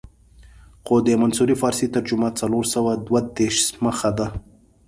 خو د منصوري فارسي ترجمه څلور سوه دوه دېرش مخه ده.